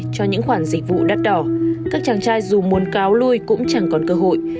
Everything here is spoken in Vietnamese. các chàng trai dù muốn cáo lui cũng chẳng còn cơ hội